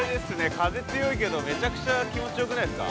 風強いけどめちゃくちゃ気持ちよくないですか。